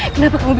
bunda bangun ya